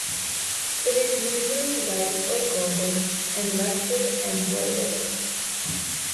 It is usually white or golden, and lushly embroidered.